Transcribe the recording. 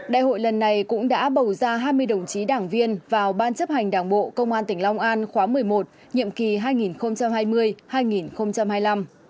đại hội lần này cũng đã bầu ra hai mươi đồng chí đảng viên vào ban chấp hành đảng bộ công an tỉnh long an khóa một mươi một nhiệm kỳ hai nghìn hai mươi hai nghìn hai mươi năm